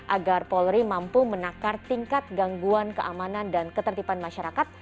agar polri mampu menakar tingkat gangguan keamanan dan ketertiban masyarakat